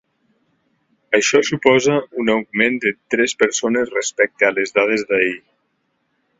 Això suposa un augment de tres persones respecte a les dades d’ahir.